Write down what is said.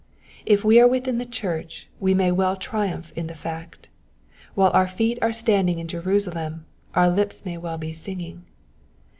If we are within the church we may well triumph in the fact. While our feet are standing in Jerusalem our lips may well be singing.